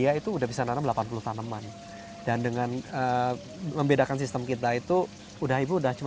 ya aku udah tanya kalau arangnya keren apa lebih buah